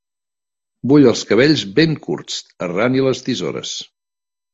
Vull els cabells ben curts: arrani les tisores.